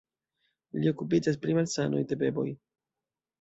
Li okupiĝas pri malsanoj de beboj.